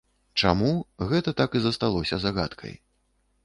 Чаму, гэта так і засталося загадкай.